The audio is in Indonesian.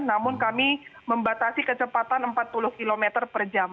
namun kami membatasi kecepatan empat puluh km per jam